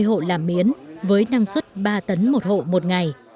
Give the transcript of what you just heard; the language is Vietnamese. có hơn bảy mươi hộ làm miến với năng suất ba tấn một hộ một ngày